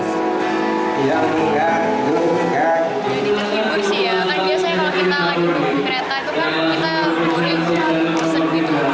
jadi terhibur sih ya kan biasanya kalau kita lagi buang kereta itu kan kita murid